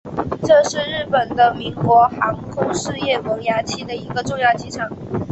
这是日本的民用航空事业萌芽期的一个重要机场。